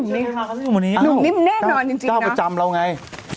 นุ่มนี้แน่นอนจริงจ้าวมาจำเราไง